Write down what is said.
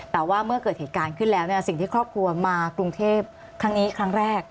แต่ว่าเมื่อเกิดเหตุการณ์ขึ้นแล้วสิ่งที่ครอบครัวมากรุงเทพครั้งนี้ครั้งแรก